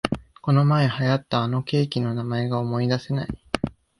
このまえ流行ったあのケーキの名前が思いだせない